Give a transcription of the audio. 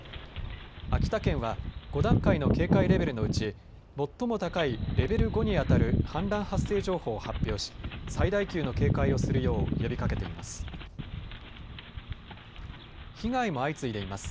秋田県は５段階の警戒レベルのうち最も高いレベル５にあたる氾濫発生情報を発表し、最大級の警戒をするよう呼びかけています。